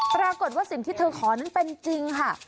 ปรากฏว่าสิ่งที่เธอขอนั้นเป็นจริงค่ะ